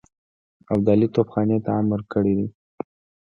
ابدالي توپخانې ته امر کړی دی.